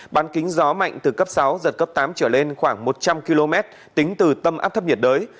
bán kính gió mạnh từ cấp sáu giật cấp tám trở lên khoảng một trăm linh km tính từ tâm áp thấp nhiệt đới